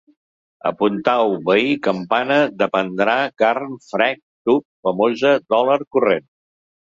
Apuntau: veí, campana, dependrà, carn, frec, tub, famosa, dòlar, corrent